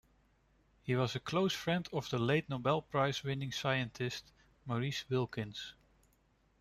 He was a close friend of the late Nobel Prize-winning scientist Maurice Wilkins.